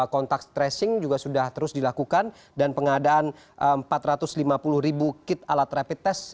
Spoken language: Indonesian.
kontak tracing juga sudah terus dilakukan dan pengadaan empat ratus lima puluh ribu kit alat rapid test